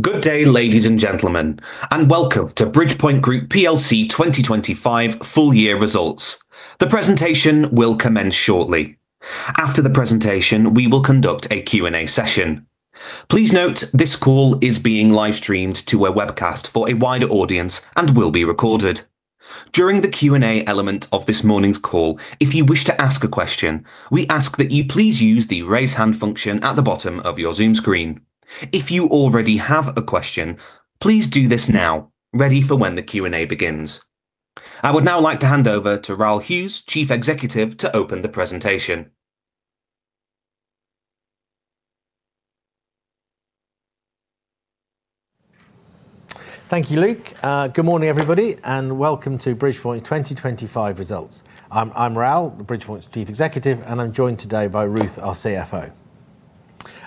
Good day, ladies and gentlemen, and welcome to Bridgepoint Group plc 2025 full year results. The presentation will commence shortly. After the presentation, we will conduct a Q&A session. Please note this call is being live-streamed to a webcast for a wider audience and will be recorded. During the Q&A element of this morning's call, if you wish to ask a question, we ask that you please use the Raise Hand function at the bottom of your Zoom screen. If you already have a question, please do this now, ready for when the Q&A begins. I would now like to hand over to Raoul Hughes, Chief Executive, to open the presentation. Thank you, Luke. Good morning, everybody, and welcome to Bridgepoint 2025 results. I'm Raoul, Bridgepoint's Chief Executive, and I'm joined today by Ruth, our CFO.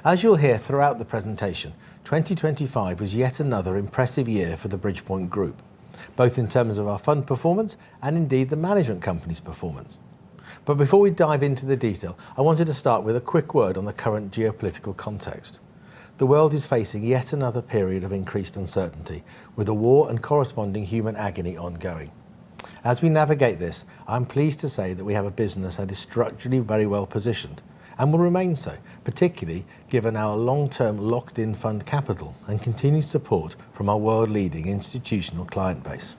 As you'll hear throughout the presentation, 2025 was yet another impressive year for the Bridgepoint Group, both in terms of our fund performance and indeed the management company's performance. Before we dive into the detail, I wanted to start with a quick word on the current geopolitical context. The world is facing yet another period of increased uncertainty with a war and corresponding human agony ongoing. As we navigate this, I'm pleased to say that we have a business that is structurally very well positioned and will remain so, particularly given our long-term locked-in fund capital and continued support from our world-leading institutional client base.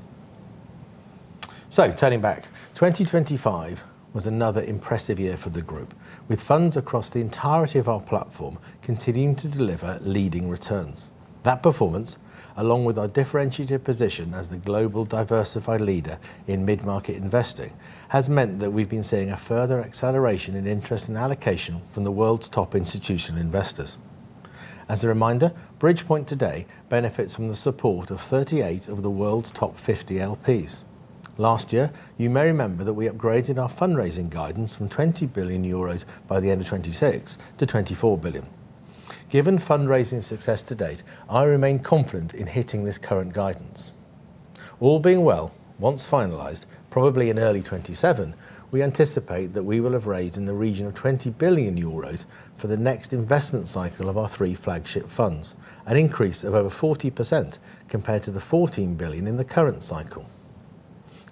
Turning back, 2025 was another impressive year for the group, with funds across the entirety of our platform continuing to deliver leading returns. That performance, along with our differentiated position as the global diversified leader in mid-market investing, has meant that we've been seeing a further acceleration in interest and allocation from the world's top institutional investors. As a reminder, Bridgepoint today benefits from the support of 38 of the world's top 50 LPs. Last year, you may remember that we upgraded our fundraising guidance from 20 billion euros by the end of 2026 to 24 billion. Given fundraising success to date, I remain confident in hitting this current guidance. All being well, once finalized, probably in early 2027, we anticipate that we will have raised in the region of 20 billion euros for the next investment cycle of our three flagship funds, an increase of over 40% compared to the 14 billion in the current cycle.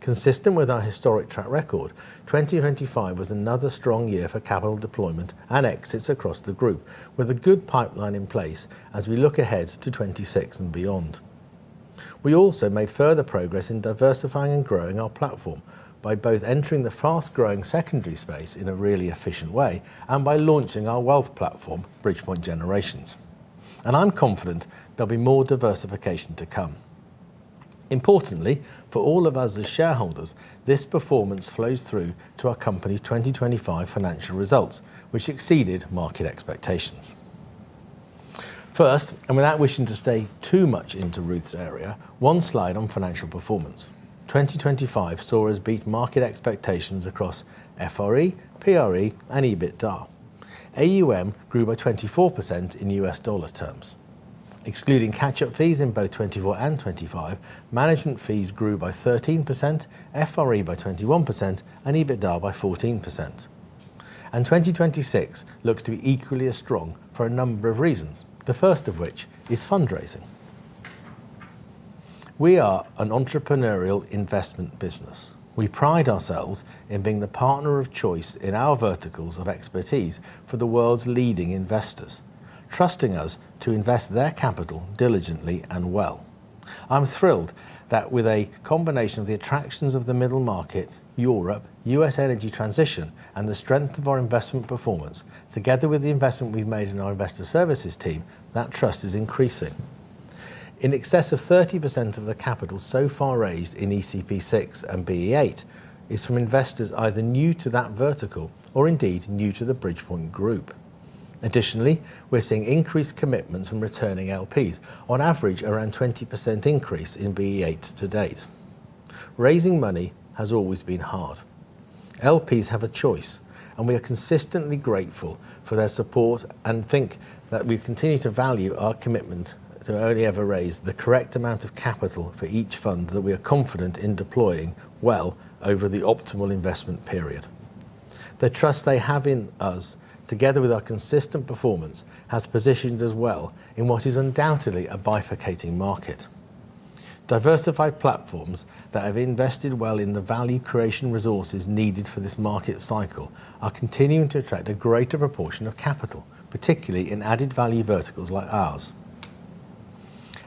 Consistent with our historic track record, 2025 was another strong year for capital deployment and exits across the group with a good pipeline in place as we look ahead to 2026 and beyond. We also made further progress in diversifying and growing our platform by both entering the fast-growing secondary space in a really efficient way and by launching our wealth platform, Bridgepoint Generations. I'm confident there'll be more diversification to come. Importantly, for all of us as shareholders, this performance flows through to our company's 2025 financial results, which exceeded market expectations. First, without wishing to stray too much into Ruth's area, one slide on financial performance. 2025 saw us beat market expectations across FRE, PRE and EBITDA. AUM grew by 24% in US dollar terms. Excluding catch-up fees in both 2024 and 2025, management fees grew by 13%, FRE by 21%, and EBITDA by 14%. 2026 looks to be equally as strong for a number of reasons, the first of which is fundraising. We are an entrepreneurial investment business. We pride ourselves in being the partner of choice in our verticals of expertise for the world's leading investors, trusting us to invest their capital diligently and well. I'm thrilled that with a combination of the attractions of the middle market, Europe, U.S. energy transition, and the strength of our investment performance, together with the investment we've made in our investor services team, that trust is increasing. In excess of 30% of the capital so far raised in ECP VI and BE VIII is from investors either new to that vertical or indeed new to the Bridgepoint Group. Additionally, we're seeing increased commitments from returning LPs, on average around 20% increase in BE VIII to date. Raising money has always been hard. LPs have a choice, and we are consistently grateful for their support and think that we continue to value our commitment to only ever raise the correct amount of capital for each fund that we are confident in deploying well over the optimal investment period. The trust they have in us, together with our consistent performance, has positioned us well in what is undoubtedly a bifurcating market. Diversified platforms that have invested well in the value creation resources needed for this market cycle are continuing to attract a greater proportion of capital, particularly in added value verticals like ours.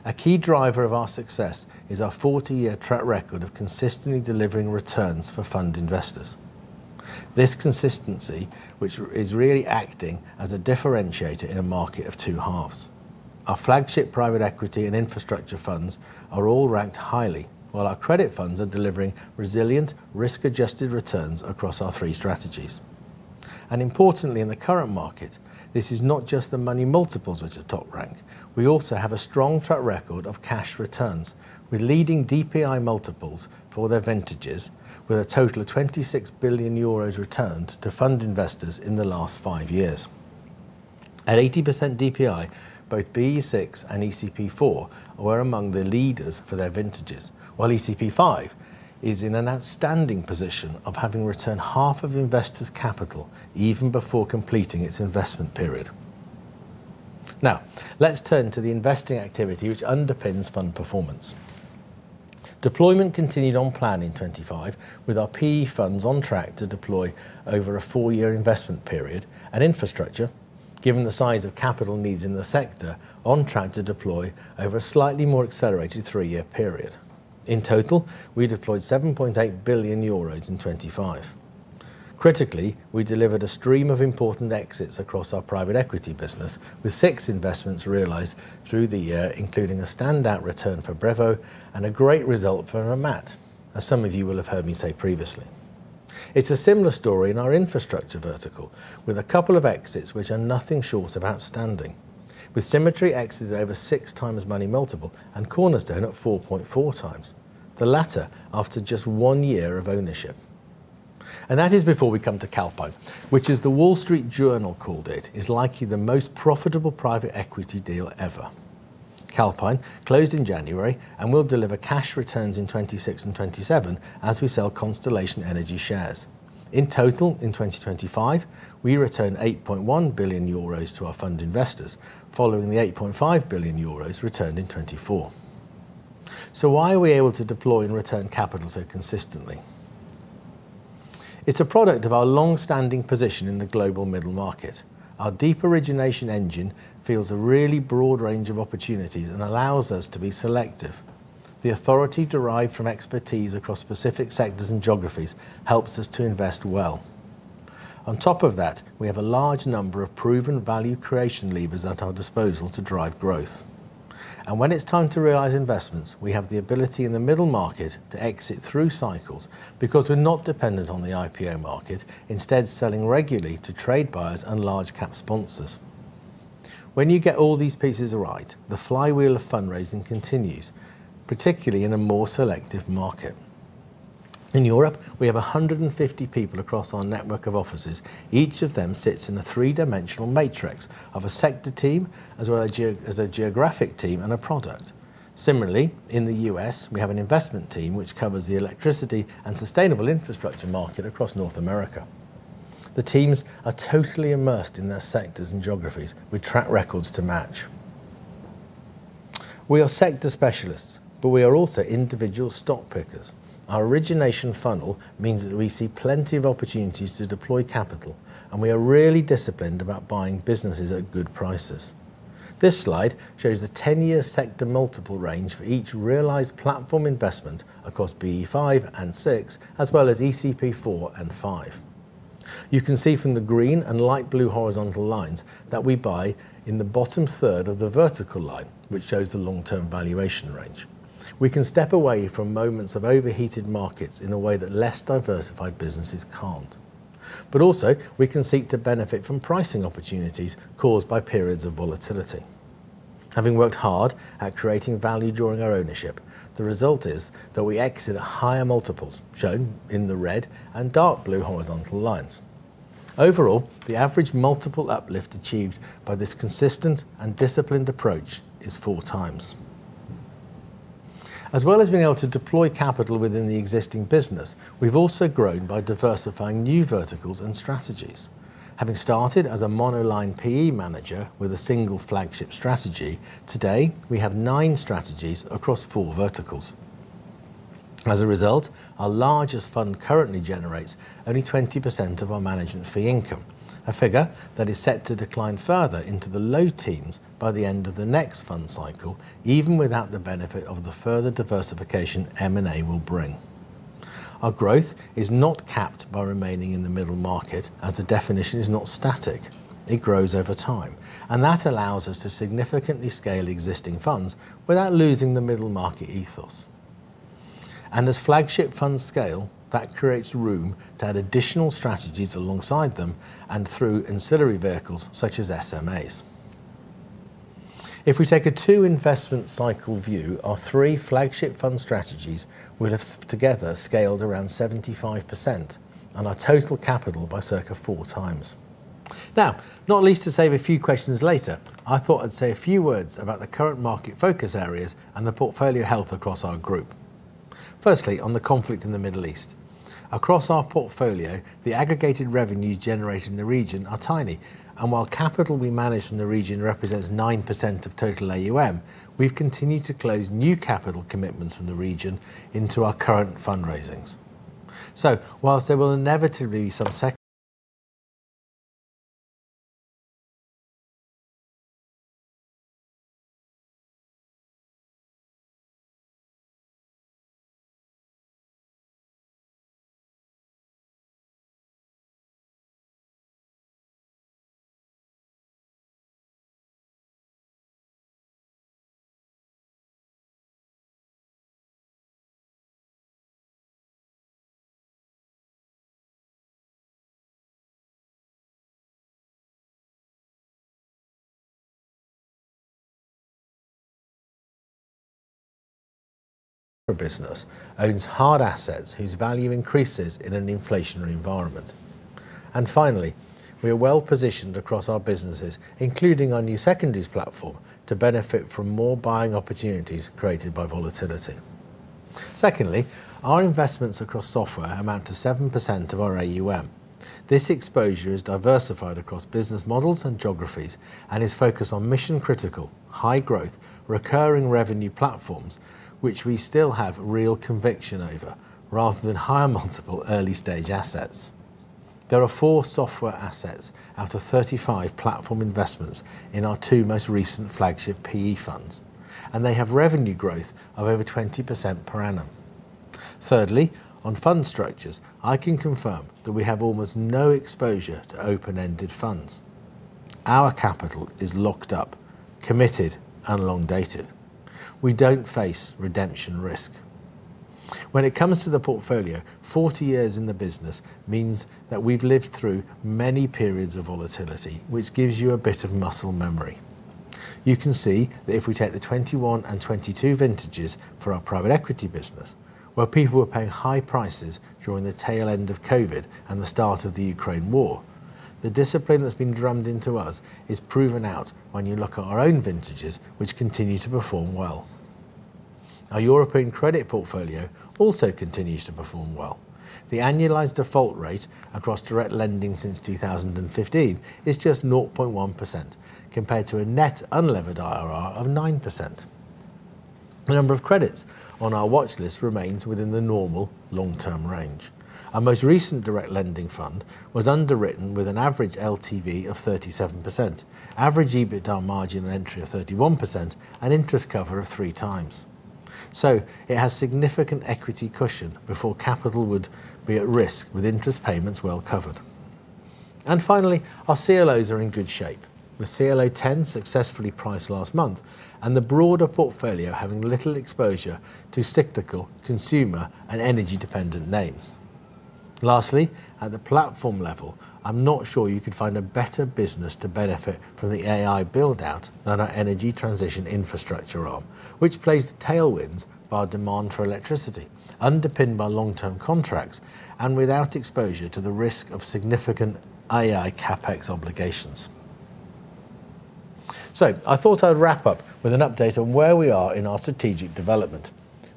A key driver of our success is our 40-year track record of consistently delivering returns for fund investors. This consistency, which is really acting as a differentiator in a market of two halves. Our flagship private equity and infrastructure funds are all ranked highly, while our credit funds are delivering resilient risk-adjusted returns across our three strategies. Importantly, in the current market, this is not just the money multiples which are top rank. We also have a strong track record of cash returns with leading DPI multiples for their vintages, with a total of 26 billion euros returned to fund investors in the last five years. At 80% DPI, both BE VI and ECP IV were among the leaders for their vintages, while ECP V is in an outstanding position of having returned half of investors' capital even before completing its investment period. Now, let's turn to the investing activity which underpins fund performance. Deployment continued on plan in 2025, with our PE funds on track to deploy over a four year investment period and infrastructure, given the size of capital needs in the sector, on track to deploy over a slightly more accelerated three year period. In total, we deployed 7.8 billion euros in 2025. Critically, we delivered a stream of important exits across our private equity business, with six investments realized through the year, including a standout return for Brevo and a great result for Ramsay, as some of you will have heard me say previously. It's a similar story in our infrastructure vertical, with a couple of exits which are nothing short of outstanding. With Symmetry exited over 6x money multiple and Cornerstone at 4.4x, the latter after just one year of ownership. That is before we come to Calpine, which as The Wall Street Journal called it, is likely the most profitable private equity deal ever. Calpine closed in January and will deliver cash returns in 2026 and 2027 as we sell Constellation Energy shares. In total, in 2025, we returned 8.1 billion euros to our fund investors following the 8.5 billion euros returned in 2024. Why are we able to deploy and return capital so consistently? It's a product of our long-standing position in the global middle market. Our deep origination engine fields a really broad range of opportunities and allows us to be selective. The authority derived from expertise across specific sectors and geographies helps us to invest well. On top of that, we have a large number of proven value creation levers at our disposal to drive growth. When it's time to realize investments, we have the ability in the middle market to exit through cycles because we're not dependent on the IPO market, instead selling regularly to trade buyers and large cap sponsors. When you get all these pieces right, the flywheel of fundraising continues, particularly in a more selective market. In Europe, we have 150 people across our network of offices. Each of them sits in a three-dimensional matrix of a sector team as well as a geographic team and a product. Similarly, in the U.S., we have an investment team which covers the electricity and sustainable infrastructure market across North America. The teams are totally immersed in their sectors and geographies with track records to match. We are sector specialists, but we are also individual stock pickers. Our origination funnel means that we see plenty of opportunities to deploy capital, and we are really disciplined about buying businesses at good prices. This slide shows the ten-year sector multiple range for each realized platform investment across BE V and BE VI, as well as ECP IV and ECP V. You can see from the green and light blue horizontal lines that we buy in the bottom third of the vertical line, which shows the long-term valuation range. We can step away from moments of overheated markets in a way that less diversified businesses can't. Also, we can seek to benefit from pricing opportunities caused by periods of volatility. Having worked hard at creating value during our ownership, the result is that we exit at higher multiples, shown in the red and dark blue horizontal lines. Overall, the average multiple uplift achieved by this consistent and disciplined approach is 4x. As well as being able to deploy capital within the existing business, we've also grown by diversifying new verticals and strategies. Having started as a monoline PE manager with a single flagship strategy, today we have nine strategies across four verticals. As a result, our largest fund currently generates only 20% of our management fee income, a figure that is set to decline further into the low teens by the end of the next fund cycle, even without the benefit of the further diversification M&A will bring. Our growth is not capped by remaining in the middle market, as the definition is not static. It grows over time, and that allows us to significantly scale existing funds without losing the middle market ethos. As flagship funds scale, that creates room to add additional strategies alongside them and through ancillary vehicles such as SMAs. If we take a two investment cycle view, our three flagship fund strategies will have together scaled around 75% and our total capital by circa four times. Now, not least to save a few questions later, I thought I'd say a few words about the current market focus areas and the portfolio health across our group. Firstly, on the conflict in the Middle East. Across our portfolio, the aggregated revenue generated in the region are tiny, and while capital we manage from the region represents 9% of total AUM, we've continued to close new capital commitments from the region into our current fundraisings. Secondly, our investments across software amount to 7% of our AUM. This exposure is diversified across business models and geographies and is focused on mission-critical, high growth, recurring revenue platforms, which we still have real conviction over rather than higher multiple early-stage assets. There are four software assets out of 35 platform investments in our two most recent flagship PE funds, and they have revenue growth of over 20% per annum. Thirdly, on fund structures, I can confirm that we have almost no exposure to open-ended funds. Our capital is locked up, committed, and long dated. We don't face redemption risk. When it comes to the portfolio, 40-years in the business means that we've lived through many periods of volatility, which gives you a bit of muscle memory. You can see that if we take the 2021 and 2022 vintages for our private equity business where people were paying high prices during the tail end of COVID and the start of the Ukraine War, the discipline that's been drummed into us is proven out when you look at our own vintages, which continue to perform well. Our European credit portfolio also continues to perform well. The annualized default rate across direct lending since 2015 is just 0.1% compared to a net unlevered IRR of 9%. The number of credits on our watch list remains within the normal long-term range. Our most recent direct lending fund was underwritten with an average LTV of 37%, average EBITDA margin on entry of 31% and interest cover of 3x. It has significant equity cushion before capital would be at risk with interest payments well covered. Finally, our CLOs are in good shape, with CLO X successfully priced last month and the broader portfolio having little exposure to cyclical consumer and energy-dependent names. Lastly, at the platform level, I'm not sure you could find a better business to benefit from the AI build-out than our energy transition infrastructure arm, which plays the tailwinds by our demand for electricity, underpinned by long-term contracts and without exposure to the risk of significant AI CapEx obligations. I thought I'd wrap up with an update on where we are in our strategic development.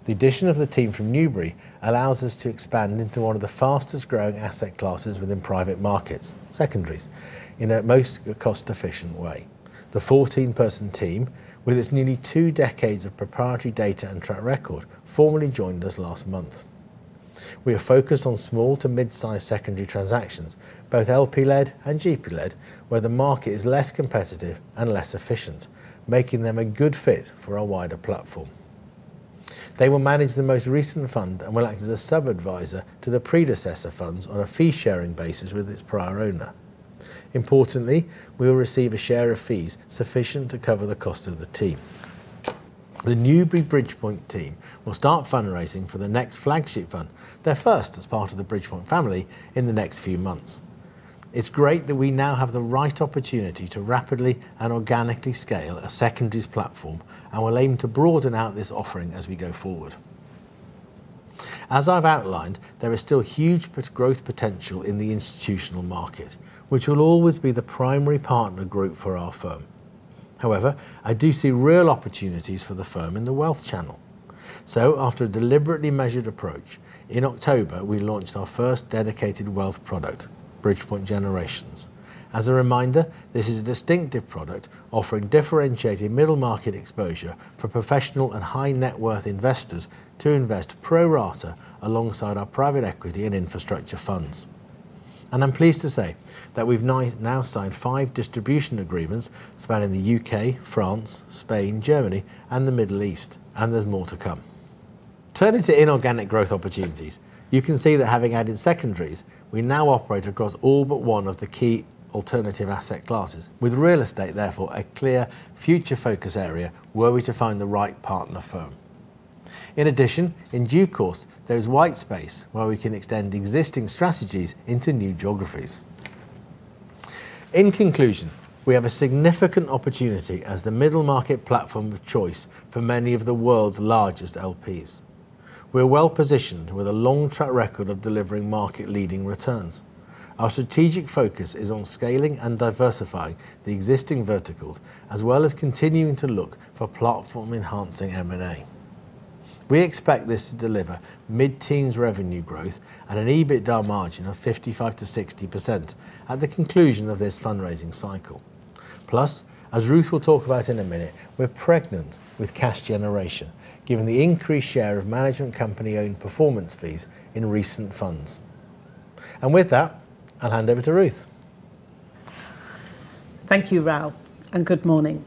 The addition of the team from Newbury allows us to expand into one of the fastest-growing asset classes within private markets, secondaries, in a most cost-efficient way. The 14-person team with its nearly two decades of proprietary data and track record formally joined us last month. We are focused on small to mid-size secondary transactions, both LP-led and GP-led, where the market is less competitive and less efficient, making them a good fit for our wider platform. They will manage the most recent fund and will act as a sub-advisor to the predecessor funds on a fee-sharing basis with its prior owner. Importantly, we will receive a share of fees sufficient to cover the cost of the team. The Newbury Bridgepoint team will start fundraising for the next flagship fund, their first as part of the Bridgepoint family, in the next few months. It's great that we now have the right opportunity to rapidly and organically scale a secondaries platform, and we'll aim to broaden out this offering as we go forward. As I've outlined, there is still huge growth potential in the institutional market, which will always be the primary partner group for our firm. However, I do see real opportunities for the firm in the wealth channel. After a deliberately measured approach, in October, we launched our first dedicated wealth product, Bridgepoint Generations. As a reminder, this is a distinctive product offering differentiated middle market exposure for professional and high net worth investors to invest pro rata alongside our private equity and infrastructure funds. I'm pleased to say that we've now signed five distribution agreements spanning the U.K., France, Spain, Germany, and the Middle East, and there's more to come. Turning to inorganic growth opportunities, you can see that having added secondaries, we now operate across all but one of the key alternative asset classes with real estate, therefore, a clear future focus area were we to find the right partner firm. In addition, in due course, there is white space where we can extend existing strategies into new geographies. In conclusion, we have a significant opportunity as the middle market platform of choice for many of the world's largest LPs. We're well-positioned with a long track record of delivering market-leading returns. Our strategic focus is on scaling and diversifying the existing verticals, as well as continuing to look for platform-enhancing M&A. We expect this to deliver mid-teens revenue growth and an EBITDA margin of 55%-60% at the conclusion of this fundraising cycle. Plus, as Ruth will talk about in a minute, we're pregnant with cash generation, given the increased share of management company-owned performance fees in recent funds. With that, I'll hand over to Ruth. Thank you, Raoul, and good morning.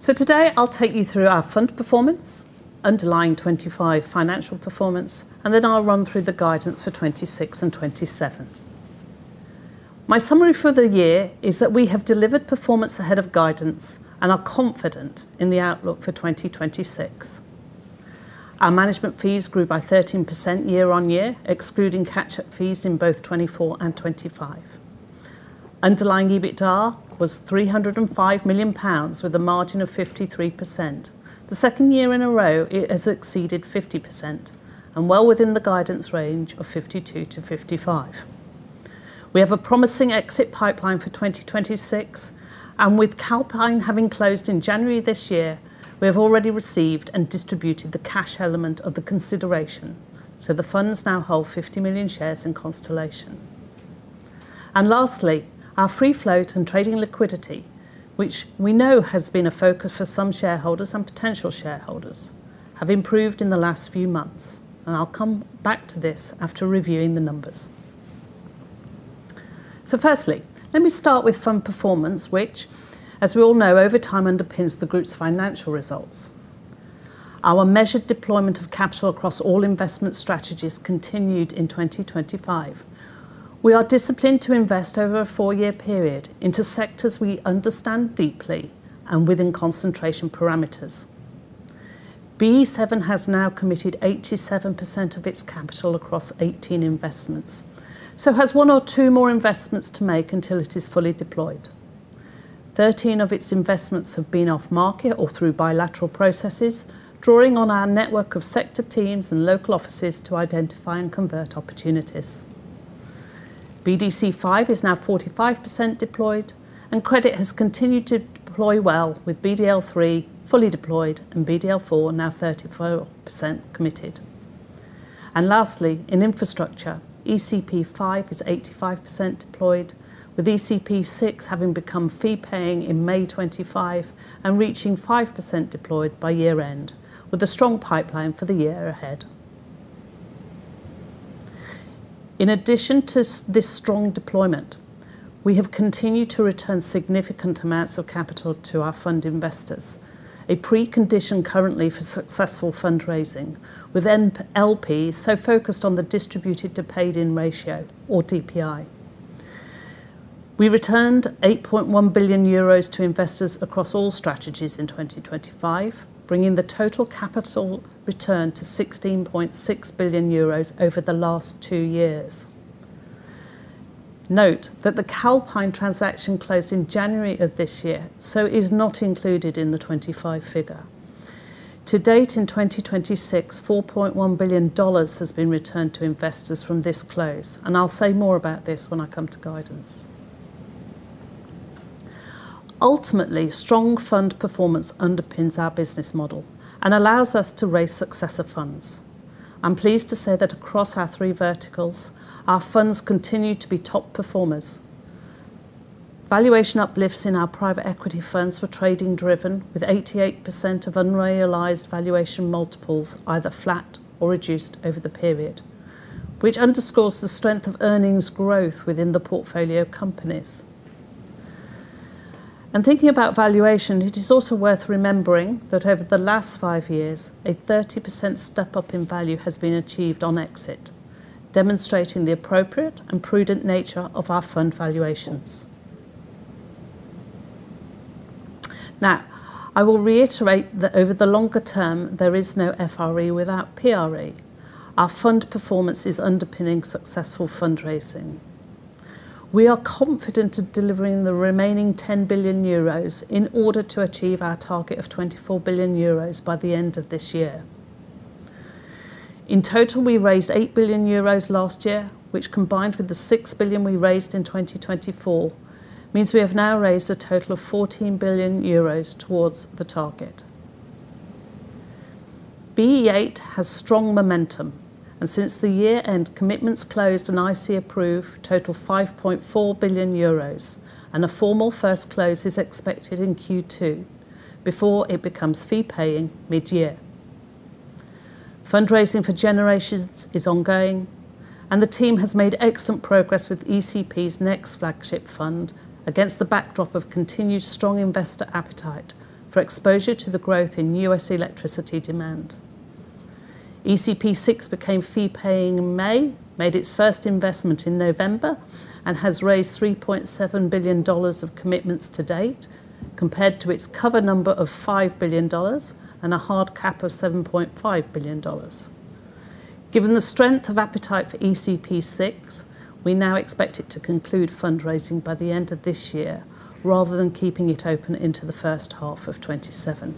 Today I'll take you through our fund performance, underlying 2025 financial performance, and then I'll run through the guidance for 2026 and 2027. My summary for the year is that we have delivered performance ahead of guidance and are confident in the outlook for 2026. Our management fees grew by 13% year-on-year, excluding catch-up fees in both 2024 and 2025. Underlying EBITDA was 305 million pounds with a margin of 53%. The second year in a row it has exceeded 50% and well within the guidance range of 52%-55%. We have a promising exit pipeline for 2026, and with Calpine having closed in January this year, we have already received and distributed the cash element of the consideration. The funds now hold 50 million shares in Constellation. Lastly, our free float and trading liquidity, which we know has been a focus for some shareholders and potential shareholders, have improved in the last few months. I'll come back to this after reviewing the numbers. Firstly, let me start with fund performance, which as we all know over time underpins the group's financial results. Our measured deployment of capital across all investment strategies continued in 2025. We are disciplined to invest over a four-year period into sectors we understand deeply and within concentration parameters. BE VII has now committed 87% of its capital across 18 investments, so has one or two more investments to make until it is fully deployed. Thirteen of its investments have been off market or through bilateral processes, drawing on our network of sector teams and local offices to identify and convert opportunities. BDC V is now 45% deployed and credit has continued to deploy well with BDL III fully deployed and BDL IV now 34% committed. Lastly, in infrastructure, ECP V is 85% deployed with ECP VI having become fee-paying in May 2025 and reaching 5% deployed by year-end with a strong pipeline for the year ahead. In addition to this strong deployment, we have continued to return significant amounts of capital to our fund investors, a precondition currently for successful fundraising with LPs so focused on the distributed to paid-in ratio or DPI. We returned 8.1 billion euros to investors across all strategies in 2025, bringing the total capital return to 16.6 billion euros over the last two years. Note that the Calpine transaction closed in January of this year, so is not included in the 2025 figure. To date in 2026, $4.1 billion has been returned to investors from this close, and I'll say more about this when I come to guidance. Ultimately, strong fund performance underpins our business model and allows us to raise successive funds. I'm pleased to say that across our three verticals, our funds continue to be top performers. Valuation uplifts in our private equity funds were trading driven with 88% of unrealized valuation multiples either flat or reduced over the period, which underscores the strength of earnings growth within the portfolio companies. Thinking about valuation, it is also worth remembering that over the last five years, a 30% step-up in value has been achieved on exit, demonstrating the appropriate and prudent nature of our fund valuations. Now, I will reiterate that over the longer term, there is no FRE without PRE. Our fund performance is underpinning successful fundraising. We are confident of delivering the remaining 10 billion euros in order to achieve our target of 24 billion euros by the end of this year. In total, we raised 8 billion euros last year, which combined with the 6 billion we raised in 2024, means we have now raised a total of 14 billion euros towards the target. BE VIII has strong momentum and since the year-end commitments closed and IC approved total 5.4 billion euros and a formal first close is expected in Q2 before it becomes fee-paying mid-year. Fundraising for generations is ongoing and the team has made excellent progress with ECP's next flagship fund against the backdrop of continued strong investor appetite for exposure to the growth in U.S. electricity demand. ECP VI became fee-paying in May, made its first investment in November and has raised $3.7 billion of commitments to date compared to its target number of $5 billion and a hard cap of $7.5 billion. Given the strength of appetite for ECP VI, we now expect it to conclude fundraising by the end of this year, rather than keeping it open into the first half of 2027.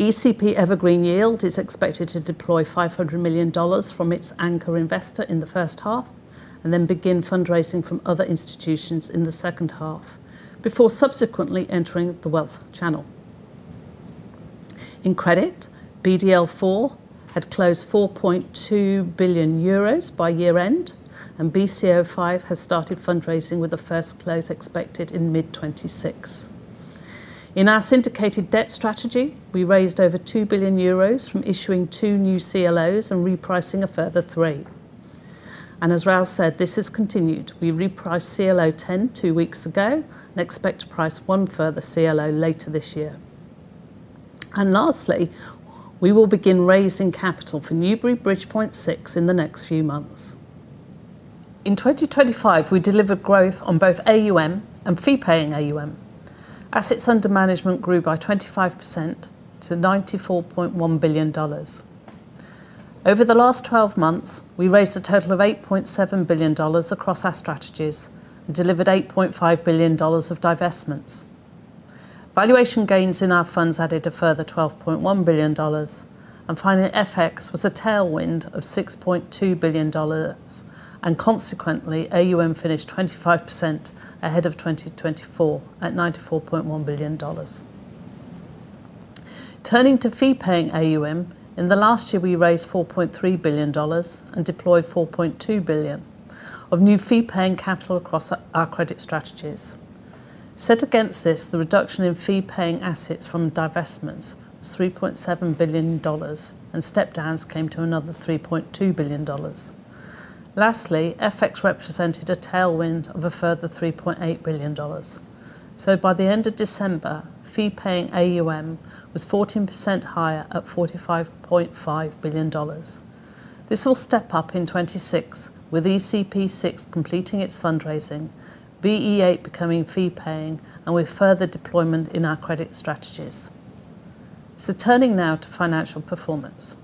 ECP Evergreen Yield is expected to deploy $500 million from its anchor investor in the first half and then begin fundraising from other institutions in the second half before subsequently entering the wealth channel. In credit, BDL IV had closed 4.2 billion euros by year-end, and BDC V has started fundraising with the first close expected in mid-2026. In our syndicated debt strategy, we raised over 2 billion euros from issuing two new CLOs and repricing a further three. As Raoul said, this has continued. We repriced CLO X two weeks ago and expect to price one further CLO later this year. Lastly, we will begin raising capital for Newbury Equity Partners VI in the next few months. In 2025, we delivered growth on both AUM and fee-paying AUM. Assets under management grew by 25% to $94.1 billion. Over the last 12-months, we raised a total of $8.7 billion across our strategies and delivered $8.5 billion of divestments. Valuation gains in our funds added a further $12.1 billion. Finally, FX was a tailwind of $6.2 billion. Consequently, AUM finished 25% ahead of 2024 at $94.1 billion. Turning to fee-paying AUM, in the last year, we raised $4.3 billion and deployed $4.2 billion of new fee-paying capital across our credit strategies. Set against this, the reduction in fee-paying assets from divestments was $3.7 billion, and step-downs came to another $3.2 billion. Lastly, FX represented a tailwind of a further $3.8 billion. By the end of December, fee-paying AUM was 14% higher at $45.5 billion. This will step up in 2026 with ECP VI completing its fundraising, BE VIII becoming fee-paying and with further deployment in our credit strategies. Turning now to financial performance.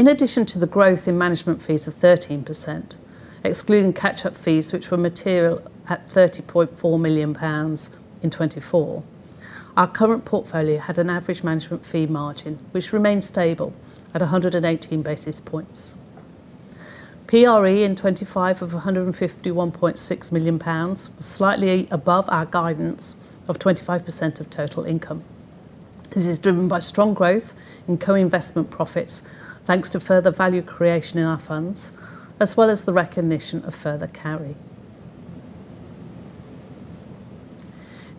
In addition to the growth in management fees of 13%, excluding catch-up fees which were material at 30.4 million pounds in 2024, our current portfolio had an average management fee margin, which remained stable at 118 basis points. PRE in 2025 of 151.6 million pounds was slightly above our guidance of 25% of total income. This is driven by strong growth in co-investment profits, thanks to further value creation in our funds, as well as the recognition of further carry.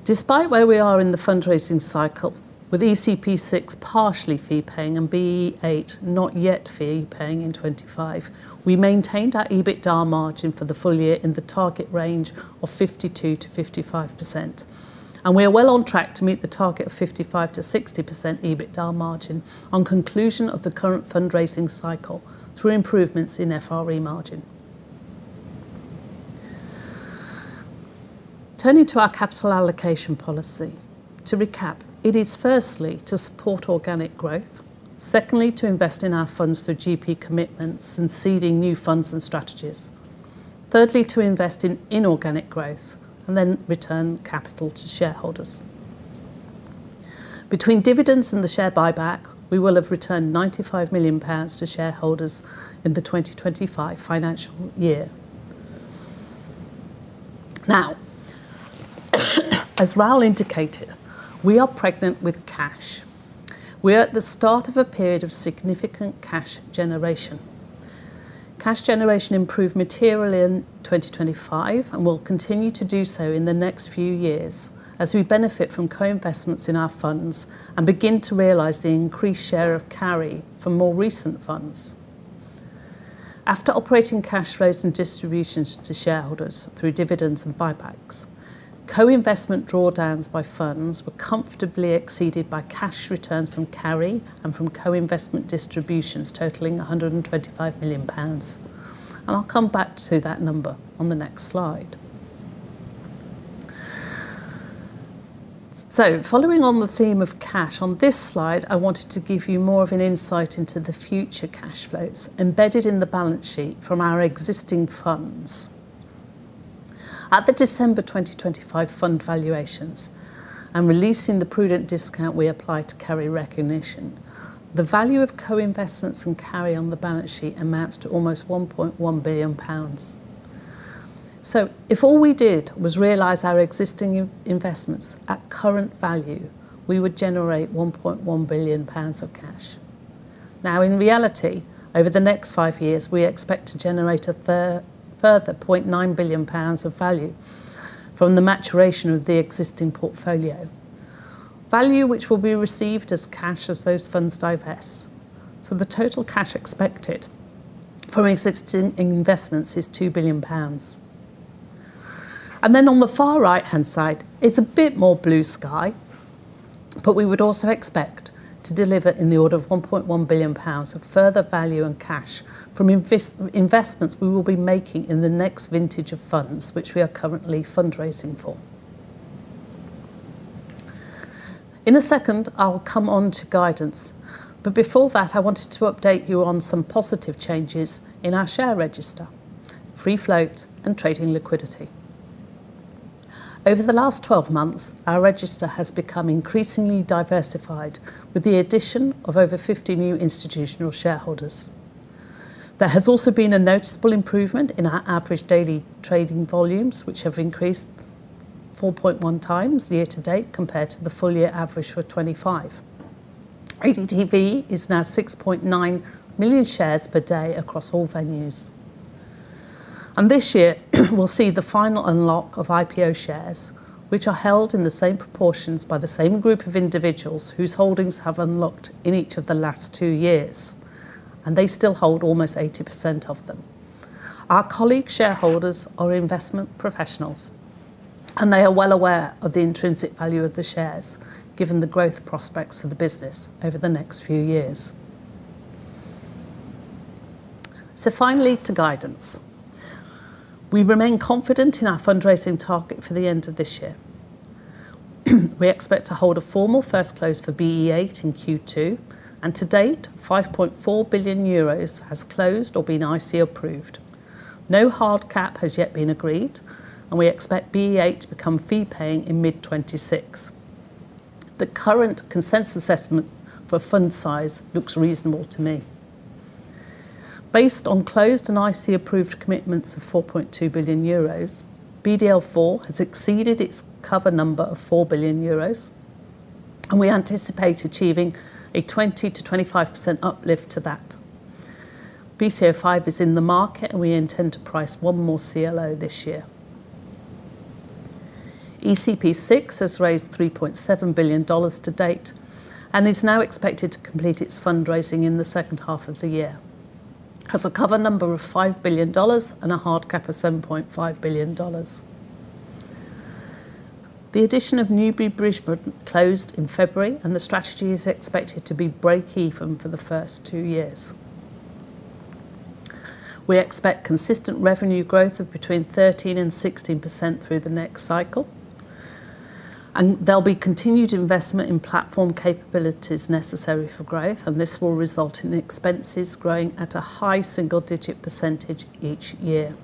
Despite where we are in the fundraising cycle, with ECP VI partially fee-paying and BE VIII not yet fee-paying in 2025, we maintained our EBITDA margin for the full year in the target range of 52%-55%. We are well on track to meet the target of 55%-60% EBITDA margin on conclusion of the current fundraising cycle through improvements in FRE margin. Turning to our capital allocation policy. To recap, it is firstly to support organic growth. Secondly, to invest in our funds through GP commitments and seeding new funds and strategies. Thirdly, to invest in inorganic growth and then return capital to shareholders. Between dividends and the share buyback, we will have returned 95 million pounds to shareholders in the 2025 financial year. Now, as Raoul indicated, we are pregnant with cash. We are at the start of a period of significant cash generation. Cash generation improved materially in 2025 and will continue to do so in the next few years as we benefit from co-investments in our funds and begin to realize the increased share of carry from more recent funds. After operating cash flows and distributions to shareholders through dividends and buybacks, co-investment drawdowns by funds were comfortably exceeded by cash returns from carry and from co-investment distributions totaling 125 million pounds. I'll come back to that number on the next slide. Following on the theme of cash, on this slide, I wanted to give you more of an insight into the future cash flows embedded in the balance sheet from our existing funds. At the December 2025 fund valuations and releasing the prudent discount we apply to carry recognition, the value of co-investments and carry on the balance sheet amounts to almost 1.1 billion pounds. If all we did was realize our existing investments at current value, we would generate 1.1 billion pounds of cash. Now in reality, over the next five years, we expect to generate a further 0.9 billion pounds of value from the maturation of the existing portfolio. Value which will be received as cash as those funds divest. The total cash expected from existing investments is 2 billion pounds. On the far right-hand side, it's a bit more blue sky, but we would also expect to deliver in the order of 1.1 billion pounds of further value and cash from investments we will be making in the next vintage of funds, which we are currently fundraising for. In a second, I'll come on to guidance. Before that, I wanted to update you on some positive changes in our share register, free float, and trading liquidity. Over the last twelve months, our register has become increasingly diversified with the addition of over 50 new institutional shareholders. There has also been a noticeable improvement in our average daily trading volumes, which have increased 4.1 times year to date compared to the full year average for 2025. ADTV is now 6.9 million shares per day across all venues. This year, we'll see the final unlock of IPO shares, which are held in the same proportions by the same group of individuals whose holdings have unlocked in each of the last two years, and they still hold almost 80% of them. Our colleague shareholders are investment professionals, and they are well aware of the intrinsic value of the shares, given the growth prospects for the business over the next few years. Finally to guidance. We remain confident in our fundraising target for the end of this year. We expect to hold a formal first close for BE VIII in Q2. To date, 5.4 billion euros has closed or been IC approved. No hard cap has yet been agreed, and we expect BE VIII to become fee-paying in mid-2026. The current consensus estimate for fund size looks reasonable to me. Based on closed and IC-approved commitments of 42 billion euros, BDL IV has exceeded its cover number of 4 billion euros, and we anticipate achieving a 20%-25% uplift to that. BCO V is in the market, and we intend to price one more CLO this year. ECP VI has raised $3.7 billion to date and is now expected to complete its fundraising in the second half of the year. Has a cover number of $5 billion and a hard cap of $7.5 billion. The addition of Newbury closed in February, and the strategy is expected to be breakeven for the first two years. We expect consistent revenue growth of between 13% and 16% through the next cycle. There'll be continued investment in platform capabilities necessary for growth, and this will result in expenses growing at a high single-digit percentage each year.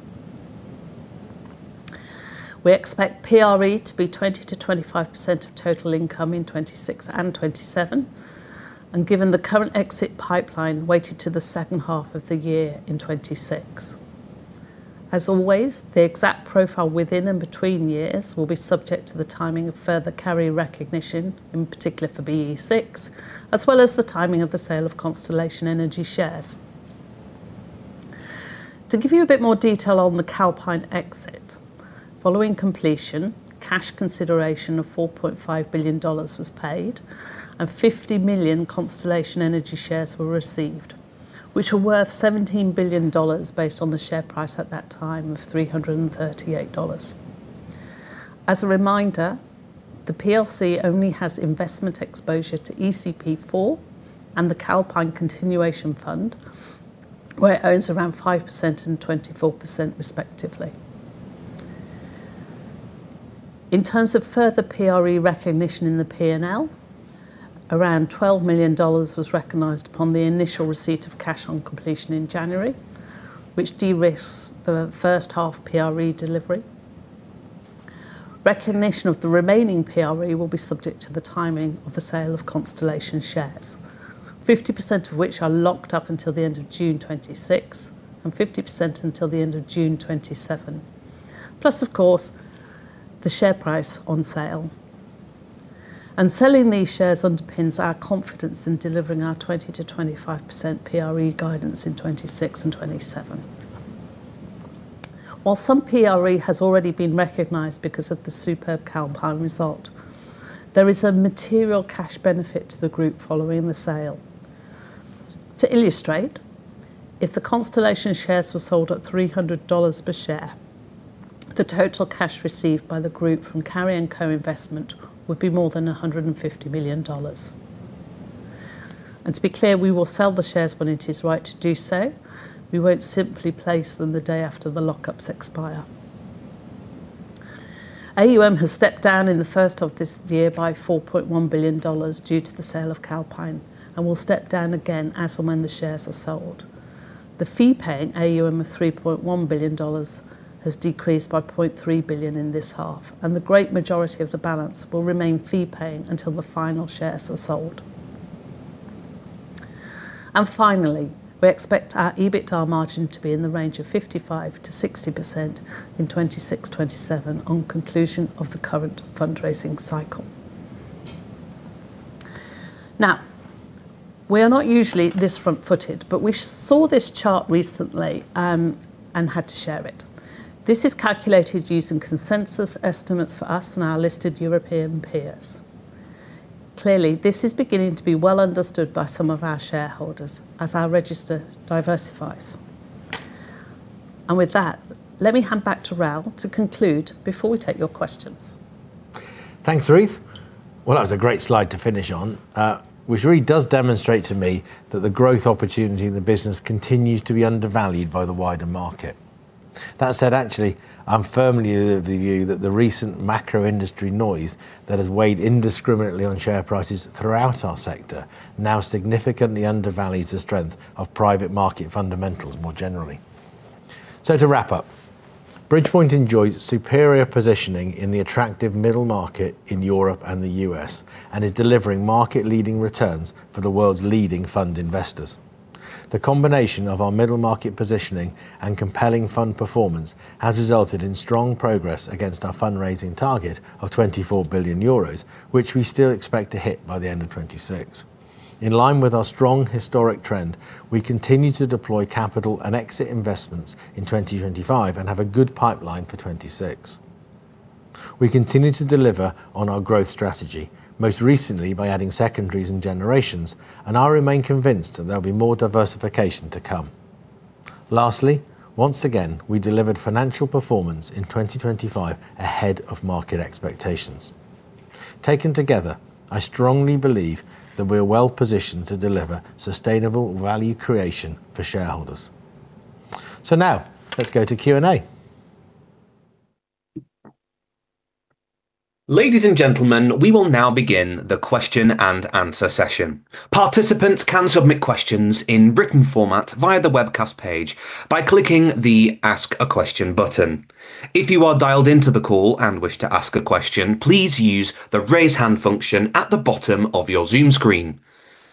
We expect PRE to be 20%-25% of total income in 2026 and 2027, given the current exit pipeline weighted to the second half of the year in 2026. As always, the exact profile within and between years will be subject to the timing of further carry recognition, in particular for BE VI, as well as the timing of the sale of Constellation Energy shares. To give you a bit more detail on the Calpine exit. Following completion, cash consideration of $4.5 billion was paid, and 50 million Constellation Energy shares were received, which were worth $17 billion based on the share price at that time of $338. As a reminder, the PLC only has investment exposure to ECP IV and the Calpine Continuation Fund, where it owns around 5% and 24% respectively. In terms of further PRE recognition in the P&L, around $12 million was recognized upon the initial receipt of cash on completion in January, which de-risks the first half PRE delivery. Recognition of the remaining PRE will be subject to the timing of the sale of Constellation shares. 50% of which are locked up until the end of June 2026 and 50% until the end of June 2027. Plus, of course, the share price on sale. Selling these shares underpins our confidence in delivering our 20%-25% PRE guidance in 2026 and 2027. While some PRE has already been recognized because of the superb Calpine result, there is a material cash benefit to the group following the sale. To illustrate, if the Constellation shares were sold at $300 per share, the total cash received by the group from carry and co-investment would be more than $150 million. To be clear, we will sell the shares when it is right to do so. We won't simply place them the day after the lockups expire. AUM has stepped down in the first half of this year by $4.1 billion due to the sale of Calpine and will step down again as and when the shares are sold. The fee-paying AUM of $3.1 billion has decreased by $0.3 billion in this half, and the great majority of the balance will remain fee-paying until the final shares are sold. Finally, we expect our EBITDA margin to be in the range of 55%-60% in 2026, 2027 on conclusion of the current fundraising cycle. Now, we are not usually this front-footed, but we saw this chart recently, and had to share it. This is calculated using consensus estimates for us and our listed European peers. Clearly, this is beginning to be well understood by some of our shareholders as our register diversifies. With that, let me hand back to Raoul to conclude before we take your questions. Thanks, Ruth. Well, that was a great slide to finish on, which really does demonstrate to me that the growth opportunity in the business continues to be undervalued by the wider market. That said, actually, I'm firmly of the view that the recent macro industry noise that has weighed indiscriminately on share prices throughout our sector now significantly undervalues the strength of private market fundamentals more generally. To wrap up. Bridgepoint enjoys superior positioning in the attractive middle market in Europe and the U.S. and is delivering market-leading returns for the world's leading fund investors. The combination of our middle market positioning and compelling fund performance has resulted in strong progress against our fundraising target of 24 billion euros, which we still expect to hit by the end of 2026. In line with our strong historic trend, we continue to deploy capital and exit investments in 2025 and have a good pipeline for 2026. We continue to deliver on our growth strategy, most recently by adding secondaries and generations, and I remain convinced that there'll be more diversification to come. Lastly, once again, we delivered financial performance in 2025 ahead of market expectations. Taken together, I strongly believe that we're well-positioned to deliver sustainable value creation for shareholders. Now let's go to Q&A. Ladies and gentlemen, we will now begin the question and answer session. Participants can submit questions in written format via the webcast page by clicking the Ask a Question button. If you are dialed into the call and wish to ask a question, please use the raise hand function at the bottom of your Zoom screen.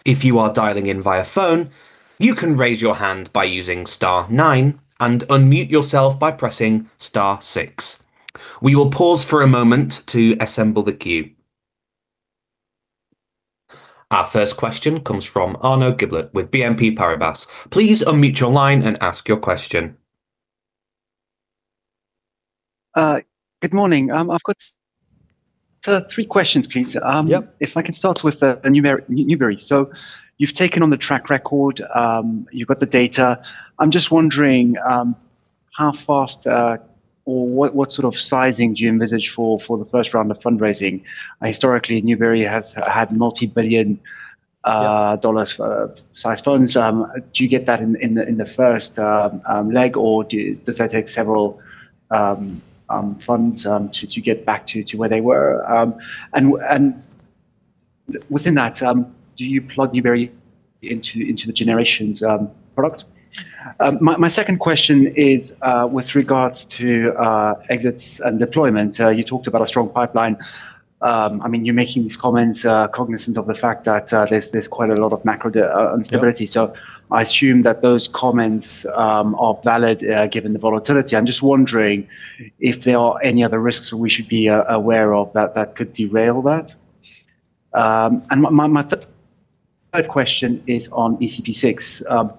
If you are dialing in via phone, you can raise your hand by using star nine and unmute yourself by pressing star six. We will pause for a moment to assemble the queue. Our first question comes from Arnaud Giblat with BNP Paribas. Please unmute your line and ask your question. Good morning. I've got three questions, please. Yep. If I can start with the Newbury. You've taken on the track record, you've got the data. I'm just wondering how fast or what sort of sizing do you envisage for the first round of fundraising? Historically, Newbury has had multi-billion. Yeah dollar-sized funds. Do you get that in the first leg, or does that take several funds to get back to where they were? Within that, do you plug Newbury into the Generations product? My second question is, with regards to exits and deployment. You talked about a strong pipeline. I mean, you're making these comments cognizant of the fact that there's quite a lot of macro instability. Yeah. I assume that those comments are valid given the volatility. I'm just wondering if there are any other risks that we should be aware of that could derail that. My third question is on ECP VI.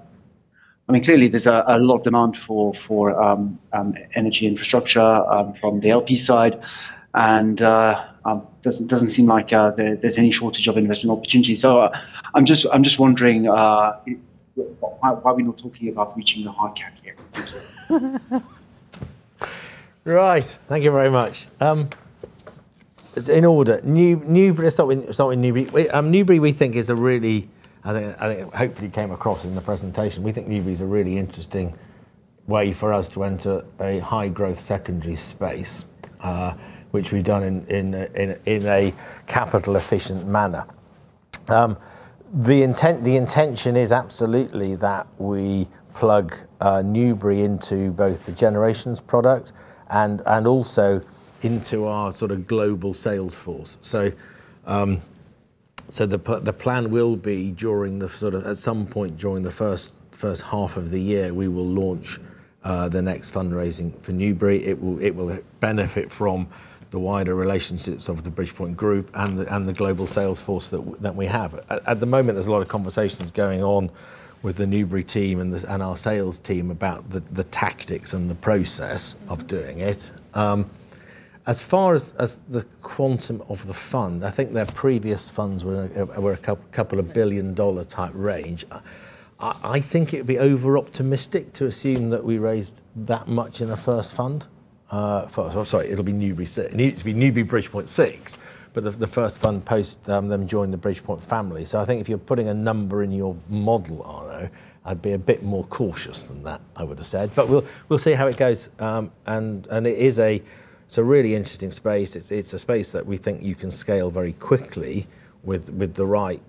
I mean, clearly there's a lot of demand for energy infrastructure from the LP side, and doesn't seem like there's any shortage of investment opportunities. I'm just wondering why are we not talking about reaching the hard cap yet? Right. Thank you very much. In order. Let's start with Newbury. Newbury, we think is a really interesting way for us to enter a high growth secondary space, which we've done in a capital efficient manner. The intention is absolutely that we plug Newbury into both the Generations product and also into our sort of global sales force. The plan will be at some point during the first half of the year, we will launch the next fundraising for Newbury. It will benefit from the wider relationships of the Bridgepoint Group and the global sales force that we have. At the moment, there's a lot of conversations going on with the Newbury team and our sales team about the tactics and the process of doing it. As far as the quantum of the fund, I think their previous funds were a couple of billion-dollar type range. I think it'd be over optimistic to assume that we raised that much in a first fund. It'll be Newbury six. It needs to be Newbury Bridgepoint six, but the first fund post them joining the Bridgepoint family. I think if you're putting a number in your model, Arno, I'd be a bit more cautious than that, I would've said. We'll see how it goes. It is a really interesting space. It's a space that we think you can scale very quickly with the right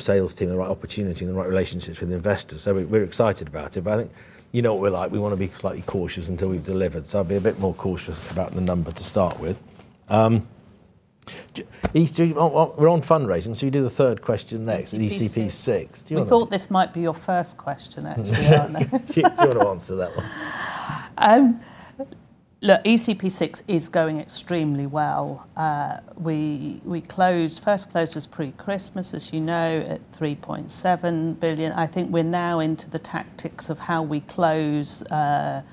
sales team, the right opportunity, and the right relationships with investors. We're excited about it. I think you know what we're like, we wanna be slightly cautious until we've delivered. I'd be a bit more cautious about the number to start with. These three. Well, we're on fundraising, so we do the third question next, ECP VI. ECP VI. Do you wanna-. We thought this might be your first question, actually, aren't they? Do you wanna answer that one? Look, ECP VI is going extremely well. First close was pre-Christmas, as you know, at $3.7 billion. I think we're now into the tactics of how we close the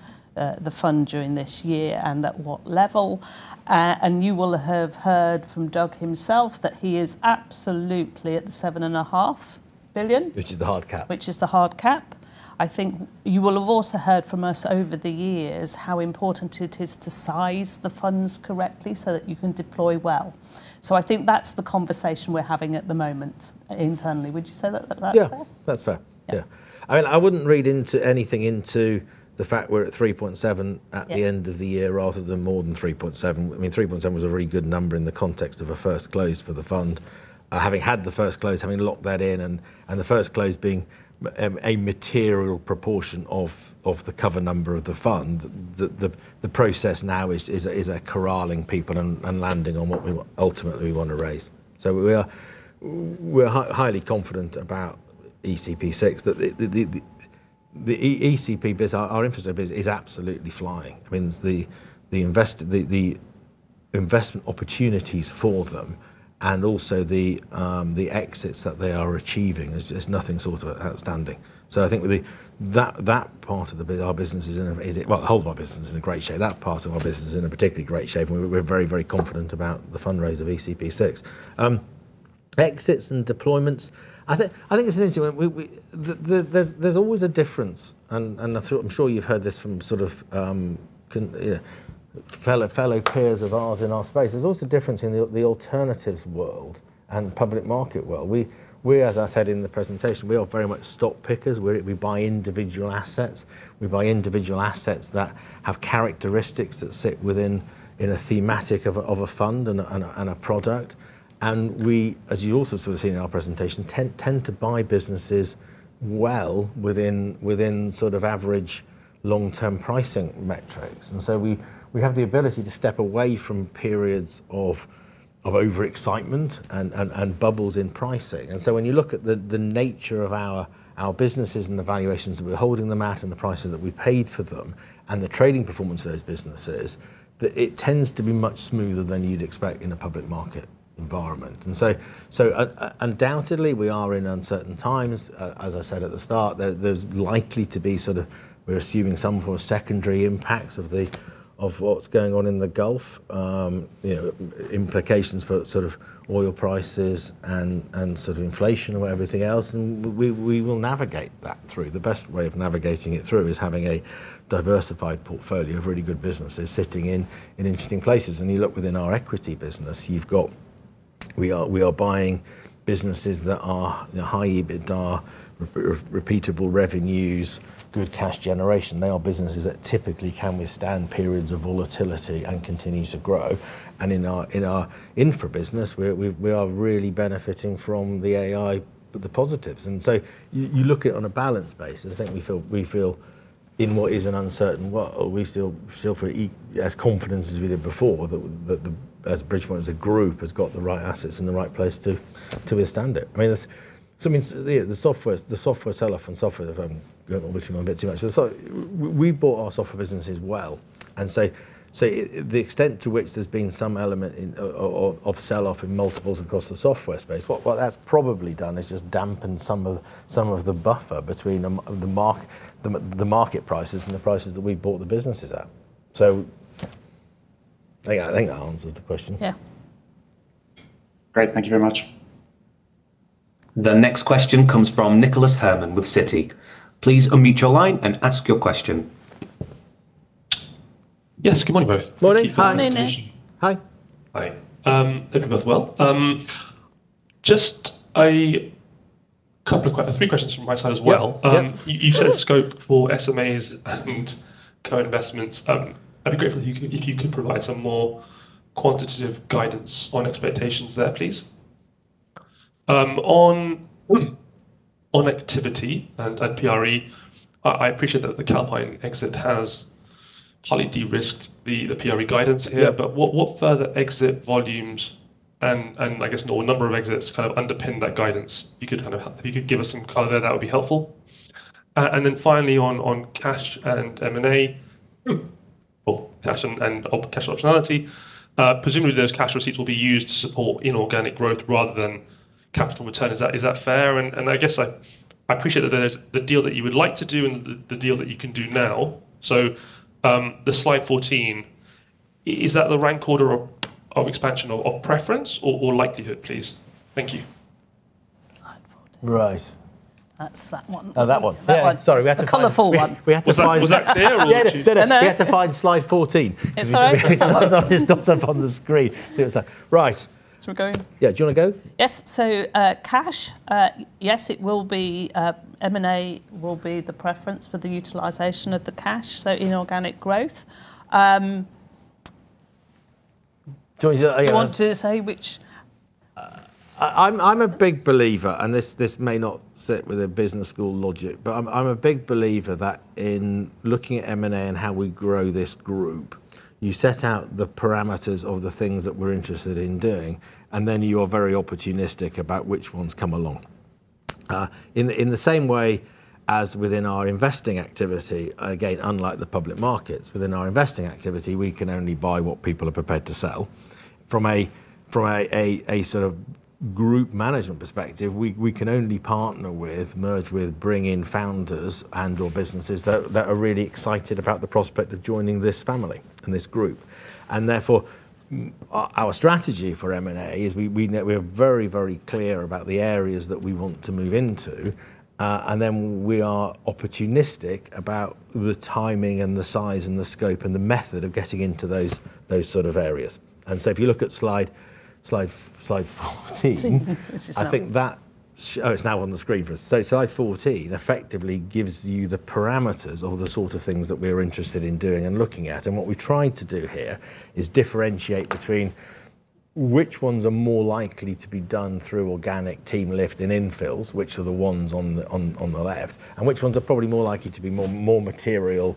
fund during this year and at what level. You will have heard from Doug himself that he is absolutely at the $7.5 billion. Which is the hard cap. Which is the hard cap. I think you will have also heard from us over the years how important it is to size the funds correctly so that you can deploy well. I think that's the conversation we're having at the moment internally. Would you say that's fair? Yeah. That's fair. Yeah. Yeah. I mean, I wouldn't read anything into the fact we're at 3.7. Yeah at the end of the year rather than more than 3.7. I mean, 3.7 was a very good number in the context of a first close for the fund. Having had the first close, having locked that in and the first close being a material proportion of the cover number of the fund, the process now is a corralling people and landing on what we ultimately wanna raise. We are highly confident about ECP VI. The ECP biz, our infrastructure biz is absolutely flying. I mean, the investment opportunities for them and also the exits that they are achieving is nothing short of outstanding. I think that part of the biz, our business is in a great shape. Well, the whole of our business is in a great shape. That part of our business is in a particularly great shape, and we're very, very confident about the fundraise of ECP VI. Exits and deployments, I think it's an interesting one. There's always a difference and I'm sure you've heard this from sort of, you know, fellow peers of ours in our space. There's lots of difference in the alternatives world and public market world. We, as I said in the presentation, we are very much stock pickers. We buy individual assets. We buy individual assets that have characteristics that sit within in a thematic of a fund and a product. We, as you also sort of seen in our presentation, tend to buy businesses well within sort of average long-term pricing metrics. We have the ability to step away from periods of overexcitement and bubbles in pricing. When you look at the nature of our businesses and the valuations that we're holding them at and the prices that we paid for them and the trading performance of those businesses, it tends to be much smoother than you'd expect in a public market environment. Undoubtedly, we are in uncertain times. As I said at the start, there's likely to be some form of secondary impacts of what's going on in the Gulf, you know, implications for sort of oil prices and sort of inflation and what everything else, and we will navigate that through. The best way of navigating it through is having a diversified portfolio of really good businesses sitting in interesting places. You look within our equity business. We are buying businesses that are, you know, high EBITDA, repeatable revenues, good cash generation. They are businesses that typically can withstand periods of volatility and continue to grow. In our infra business, we are really benefiting from the AI, the positives. You look at it on a balance basis. I think we feel in what is an uncertain world, we still feel as confident as we did before, that Bridgepoint as a group has got the right assets in the right place to withstand it. I mean, that's. I mean, the software sell-off. I'm going on a bit too much, obviously. We bought our software businesses well, and so the extent to which there's been some element of sell-off in multiples across the software space, what that's probably done is just dampened some of the buffer between the market prices and the prices that we bought the businesses at. I think that answers the question. Yeah. Great. Thank you very much. The next question comes from Nicholas Herman with Citi. Please unmute your line and ask your question. Yes. Good morning, both. Morning. Morning, Nick. Hi. Hi. Hope you're both well. Just three questions from my side as well. Yeah. Sure. You've set a scope for SMAs and co-investments. I'd be grateful if you could provide some more quantitative guidance on expectations there, please. On activity and PRE, I appreciate that the Calpine exit has highly de-risked the PRE guidance here. Yeah. What further exit volumes and I guess no a number of exits kind of underpin that guidance. If you could give us some color there, that would be helpful. And then finally, on cash and M&A or cash and op-cash optionality, presumably those cash receipts will be used to support inorganic growth rather than capital return. Is that fair? I guess I appreciate that there's the deal that you would like to do and the deal that you can do now. The Slide 14, is that the rank order of expansion or preference or likelihood, please? Thank you. Slide 14. Right. That's that one. Oh, that one. That one. Sorry. It's the colorful one. We had to find. Was that fair, or did you? Yeah, no. No, no. We had to find Slide 14. It's there. Because it's not just up on the screen. It's like right. We're going. Yeah. Do you wanna go? Yes. Cash, yes, it will be, M&A will be the preference for the utilization of the cash, so inorganic growth. Do you want me to? Do you want to say which? I'm a big believer that in looking at M&A and how we grow this group, you set out the parameters of the things that we're interested in doing, and then you are very opportunistic about which ones come along. This may not sit with a business school logic, but in the same way as within our investing activity, again, unlike the public markets, we can only buy what people are prepared to sell. From a sort of group management perspective, we can only partner with, merge with, bring in founders and/or businesses that are really excited about the prospect of joining this family and this group. Our strategy for M&A is we know. We are very, very clear about the areas that we want to move into, and then we are opportunistic about the timing and the size and the scope and the method of getting into those sort of areas. If you look at Slide 14. Which is that one? Oh, it's now on the screen for us. Slide 14 effectively gives you the parameters of the sort of things that we're interested in doing and looking at. What we've tried to do here is differentiate between which ones are more likely to be done through organic team lift and infills, which are the ones on the left, and which ones are probably more likely to be more material